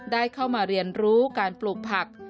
ได้เข้ามาเรียนรู้การปลูกผัก